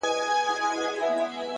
مثبت چلند د شخړو تودوخه کموي.!